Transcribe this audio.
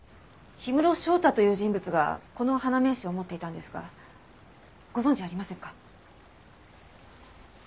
氷室翔太という人物がこの花名刺を持っていたんですがご存じありませんか？